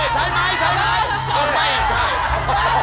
ใช่ไหมใช่ไหม